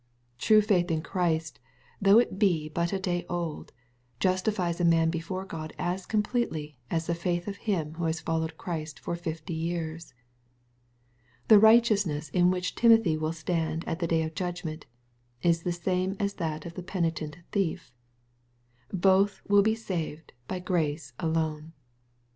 True faith in Christ; though it be but a day old, justifies a man before God as completely as the feith of him who has followed Christ for fifty years. The right eousness in which Timothy will stand at the day of judg ment, is the same as that of the penitent thief Both will be saved by grace alone.